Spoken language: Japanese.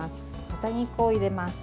豚肉を入れます。